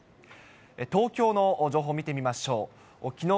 東京の情報を見てみましょう。